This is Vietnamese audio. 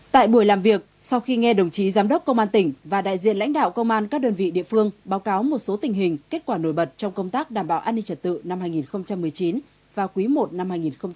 tại buổi làm việc sau khi nghe đồng chí giám đốc công an tỉnh và đại diện lãnh đạo công an các đơn vị địa phương báo cáo một số tình hình kết quả nổi bật trong công tác đảm bảo an ninh trật tự năm hai nghìn một mươi chín và quý i năm hai nghìn hai mươi